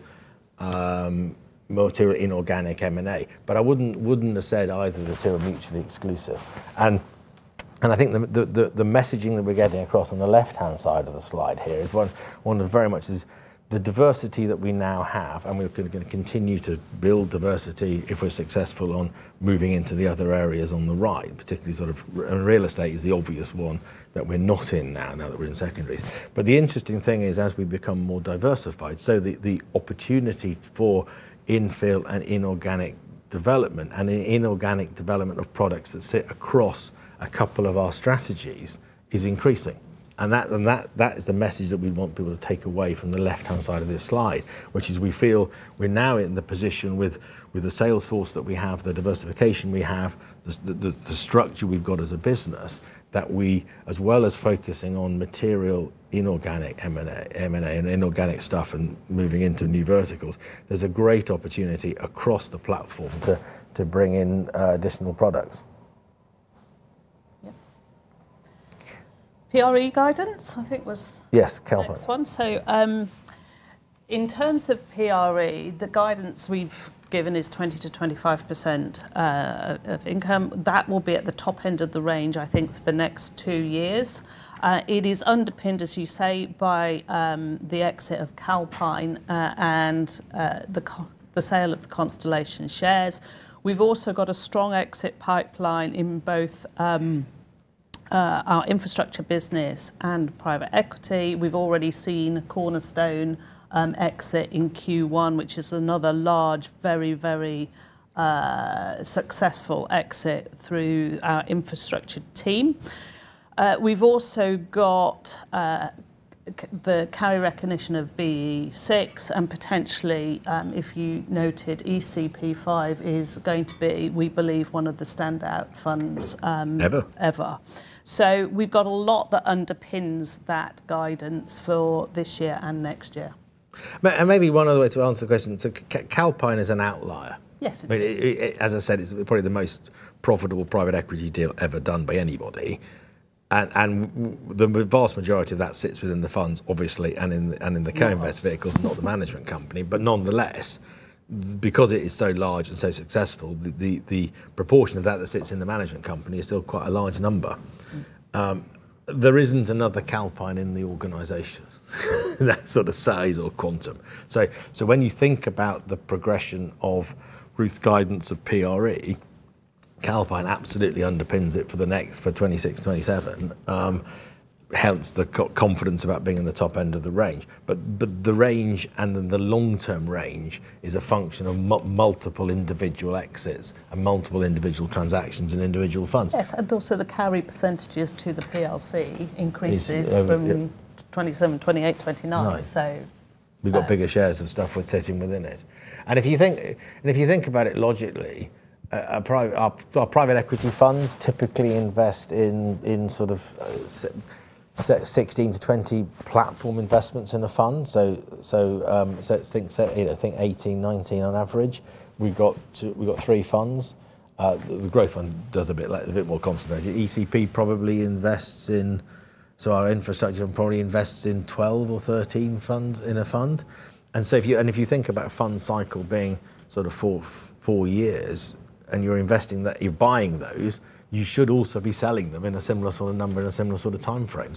inorganic M&A. I wouldn't have said either the two are mutually exclusive. I think the messaging that we're getting across on the left-hand side of the slide here is one that very much is the diversity that we now have, and we're gonna continue to build diversity if we're successful on moving into the other areas on the right, particularly sort of real estate is the obvious one that we're not in now that we're in secondaries. The interesting thing is, as we become more diversified, so the opportunity for infill and inorganic development and the inorganic development of products that sit across a couple of our strategies is increasing. that is the message that we want people to take away from the left-hand side of this slide, which is we feel we're now in the position with the sales force that we have, the diversification we have, the structure we've got as a business, that we, as well as focusing on material inorganic M&A and inorganic stuff and moving into new verticals, there's a great opportunity across the platform to bring in additional products. PRE guidance, I think, was. Yes, Calpine. The next one. In terms of PRE, the guidance we've given is 20%-25% of income. That will be at the top end of the range, I think, for the next two years. It is underpinned, as you say, by the exit of Calpine and the sale of the Constellation shares. We've also got a strong exit pipeline in both our infrastructure business and private equity. We've already seen Cornerstone exit in Q1, which is another large, very successful exit through our infrastructure team. We've also got the carry recognition of BE VI and potentially, if you noted ECP V is going to be, we believe, one of the standout funds. Ever. We've got a lot that underpins that guidance for this year and next year. Maybe one other way to answer the question. Calpine is an outlier. Yes, it is. I mean, as I said, it's probably the most profitable private equity deal ever done by anybody. The vast majority of that sits within the funds, obviously, and in the co-invest vehicles. It was. Not the management company. Nonetheless, because it is so large and so successful, the proportion of that that sits in the management company is still quite a large number. There isn't another Calpine in the organization that sort of size or quantum. When you think about the progression of Ruth's guidance of PRE, Calpine absolutely underpins it for the next, for 2026, 2027, hence the confidence about being in the top end of the range. The range and the long-term range is a function of multiple individual exits and multiple individual transactions and individual funds. Yes, also the carry percentages to the PLC increases. Is over, yep. from 2027, 2028, 2029. Right. So, uh-. We've got bigger shares of stuff we're sitting within it. If you think about it logically, our private equity funds typically invest in sort of 16-20 platform investments in a fund. You know, I think 18, 19 on average. We've got three funds. The growth fund does a bit more concentrated. ECP probably in thus in, our infrastructure, probably invests in 12 or 13 in a fund. If you think about a fund cycle being sort of four years, you're investing that, you're buying those, you should also be selling them in a similar sort of number in a similar sort of timeframe.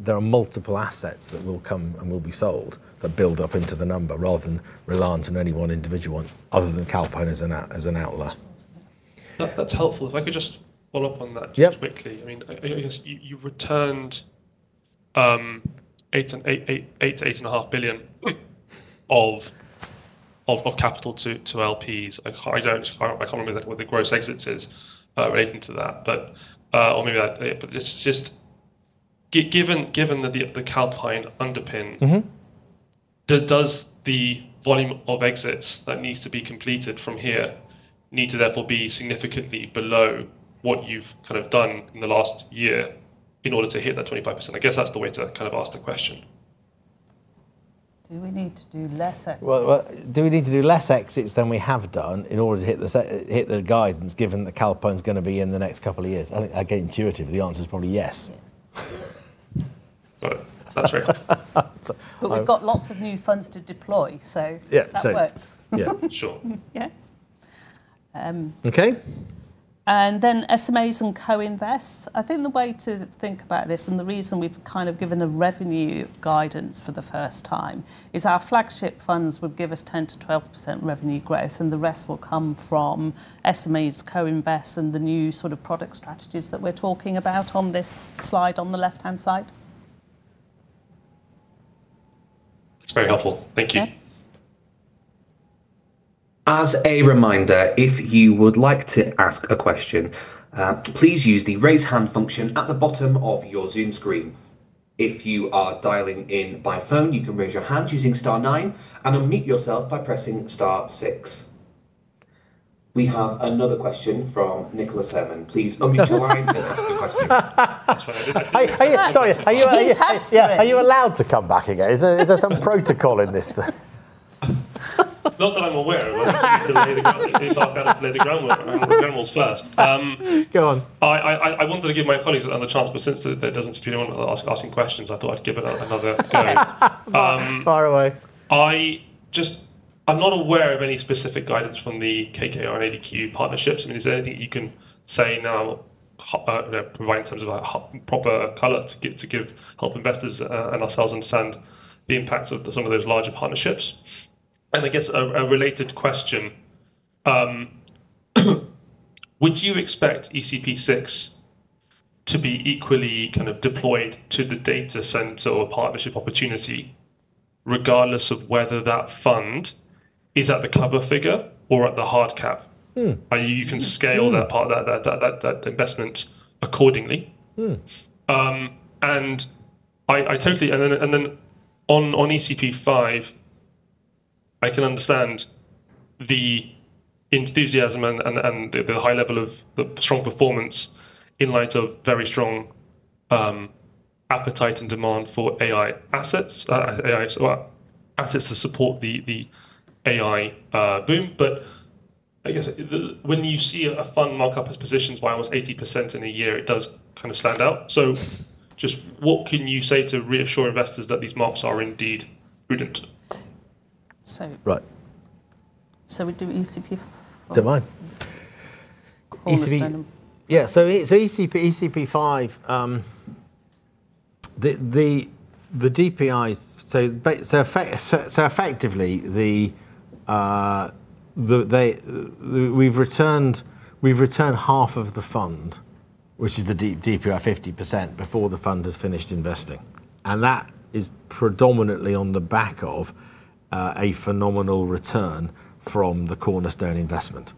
There are multiple assets that will come and will be sold that build up into the number rather than reliant on any one individual one, other than Calpine as an outlier. That's helpful. That's helpful. If I could just follow up on that- Yeah Just quickly. I mean, I guess you returned 8 billion-8.5 billion of capital to LPs. I don't. It's far out of my memory what the gross exits is relating to that. Or maybe I. Just given the Calpine underpin-. Mm-hmm. Does the volume of exits that needs to be completed from here need to therefore be significantly below what you've kind of done in the last year in order to hit that 25%? I guess that's the way to kind of ask the question. Do we need to do less exits? Well, do we need to do less exits than we have done in order to hit the guidance, given that Calpine is gonna be in the next couple of years? I think, again, intuitively, the answer is probably yes. Yes. Right. That's fair. So-. We've got lots of new funds to deploy. Yeah. that works. Yeah. Sure. Yeah. Okay. SMAs and co-invests. I think the way to think about this, and the reason we've kind of given a revenue guidance for the first time, is our flagship funds would give us 10%-12% revenue growth, and the rest will come from SMAs, co-invest, and the new sort of product strategies that we're talking about on this slide on the left-hand side. That's very helpful. Thank you. Okay. As a reminder, if you would like to ask a question, please use the Raise Hand function at the bottom of your Zoom screen. If you are dialing in by phone, you can raise your hand using star nine and unmute yourself by pressing star six. We have another question from Nicholas Herman. Please unmute your line to ask your question. Sorry, are you? He's hungry. Yeah. Are you allowed to come back again? Is there some protocol in this? Not that I'm aware of. I was thinking of the ground rule. Please ask Alexander the ground rule, and I'm the generals first. Go on. I wanted to give my colleagues another chance, but since there doesn't seem to be anyone else asking questions, I thought I'd give it another go. Fire away. I'm not aware of any specific guidance from the KKR and ADQ partnerships. I mean, is there anything that you can say now, you know, provide in terms of a proper color to give help investors and ourselves understand the impacts of some of those larger partnerships? I guess a related question, would you expect ECP VI to be equally kind of deployed to the data center or partnership opportunity regardless of whether that fund is at the target figure or at the hard cap? Mm. You can scale that part, that investment accordingly. Mm. I can understand the enthusiasm and the high level of the strong performance in light of very strong appetite and demand for AI assets. AI well, assets to support the AI boom. But I guess when you see a fund mark up its positions by almost 80% in a year, it does kind of stand out. Just what can you say to reassure investors that these marks are indeed prudent? So-. Right. We do ECP. Don't mind. Cornerstone-. ECP V, the DPIs, so effectively they've returned half of the fund, which is the DPI 50% before the fund has finished investing. That is predominantly on the back of a phenomenal return from the Cornerstone investment.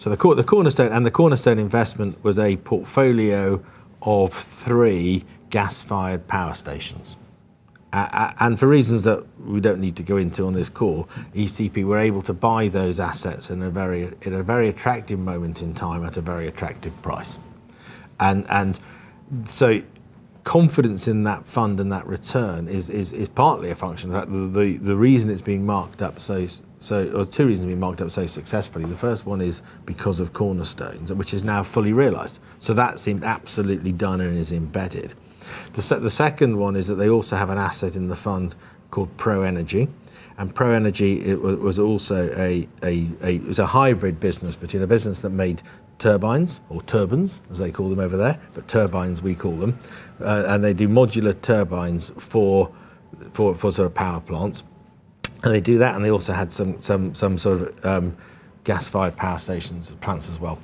The Cornerstone investment was a portfolio of three gas-fired power stations. For reasons that we don't need to go into on this call, ECP were able to buy those assets in a very attractive moment in time at a very attractive price. Confidence in that fund and that return is partly a function of that. The reason it's being marked up so successfully. Or two reasons it's being marked up so successfully. The first one is because of Cornerstone, which is now fully realized. That seemed absolutely done and is embedded. The second one is that they also have an asset in the fund called ProEnergy. ProEnergy. It was also a hybrid business between a business that made turbines, as they call them over there, but turbines we call them, and they do modular turbines for sort of power plants. They do that, and they also had some sort of gas-fired power plants as well.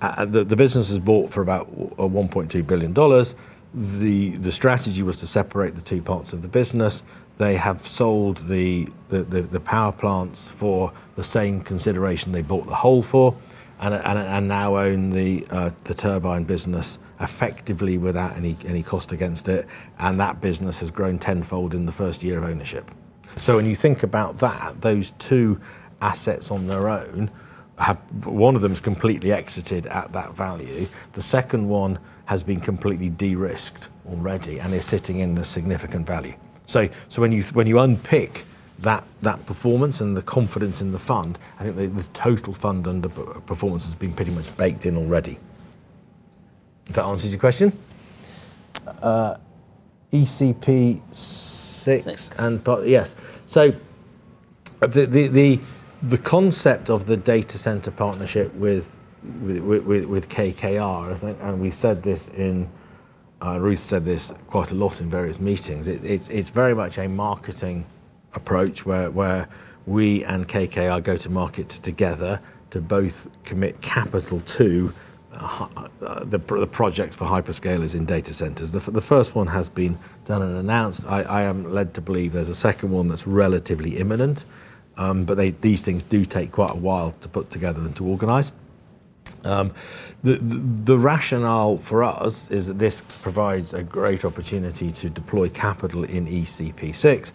The business was bought for about $1.2 billion. The strategy was to separate the two parts of the business. They have sold the power plants for the same consideration they bought the whole for and now own the turbine business effectively without any cost against it, and that business has grown tenfold in the first year of ownership. When you think about that, those two assets on their own have. One of them is completely exited at that value. The second one has been completely de-risked already and is sitting in the significant value. When you unpick that performance and the confidence in the fund, I think the total fund and the performance has been pretty much baked in already. If that answers your question. ECP VI. Six. Yes. The concept of the data center partnership with KKR, I think, and we said this. Ruth said this quite a lot in various meetings. It's very much a marketing approach where we and KKR go to market together to both commit capital to the project for hyperscalers in data centers. The first one has been done and announced. I am led to believe there's a second one that's relatively imminent, but they, these things, do take quite a while to put together and to organize. The rationale for us is that this provides a great opportunity to deploy capital in ECP VI,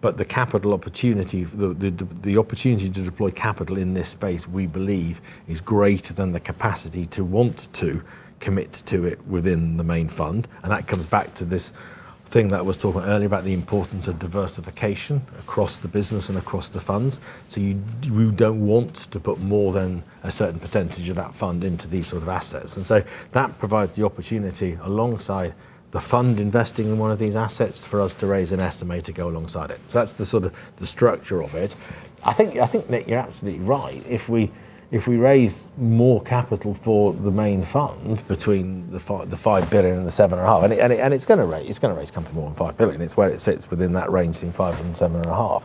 but the capital opportunity, the opportunity to deploy capital in this space, we believe is greater than the capacity to want to commit to it within the main fund. That comes back to this thing that I was talking earlier about the importance of diversification across the business and across the funds. We don't want to put more than a certain percentage of that fund into these sort of assets. That provides the opportunity alongside the fund investing in one of these assets for us to raise an estimate to go alongside it. That's sort of the structure of it. I think, Nick, you're absolutely right. If we raise more capital for the main fund between the 5 billion and the 7.5 billion. It's gonna raise comfortably more than 5 billion. It's where it sits within that range between 5 billion and 7.5 billion.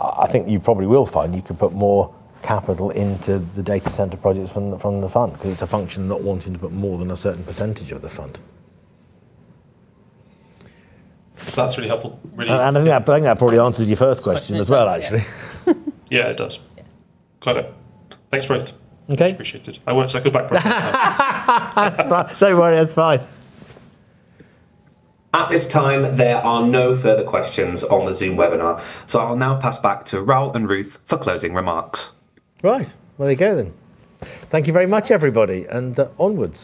I think you probably will find you can put more capital into the data center projects from the fund, 'cause it's a function not wanting to put more than a certain percentage of the fund. That's really helpful. Really helpful. I think that probably answers your first question as well, actually. I think so, yeah. Yeah, it does. Yes. Got it. Thanks, both. Okay. Appreciate it. I won't hold you back for time. Don't worry. That's fine. At this time, there are no further questions on the Zoom webinar. I'll now pass back to Raoul and Ruth for closing remarks. Right. There we go then. Thank you very much, everybody, and onwards.